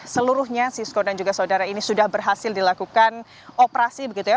seluruhnya sisko dan juga saudara ini sudah berhasil dilakukan operasi begitu ya